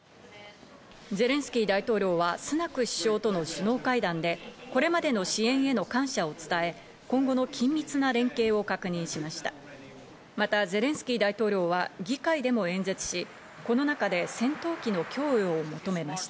ゼレンスキー大統領はスナク首相との首脳会談で、これまでの支援への感謝を伝え、今後の緊密な連携を確認しました。